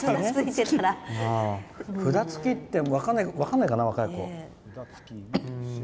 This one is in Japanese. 札付きって分からないかな若い子は。